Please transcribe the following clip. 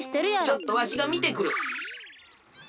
ちょっとわしがみてくる。